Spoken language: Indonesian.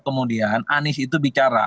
kemudian anies itu bicara